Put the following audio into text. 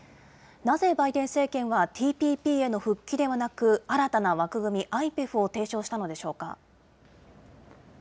なぜバイデン政権は、ＴＰＰへの復帰ではなく、新たな枠組み、ＩＰＥＦを提唱したのでしょうか。